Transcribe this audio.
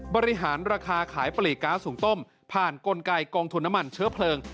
บริหารราคาขายปลีกก๊าซสูงต้มผ่านกลไกกองทุนน้ำมันเชื้อเพลิง